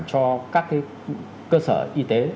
cho các cái cơ sở y tế